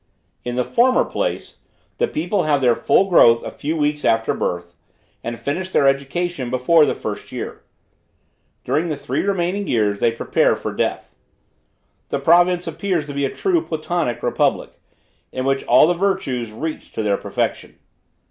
In the former place, the people have their full growth a few weeks after birth, and finish their education before the first year. During the three remaining years they prepare for death. The province appeared to be a true Platonic republic, in which all the virtues reached to their perfection.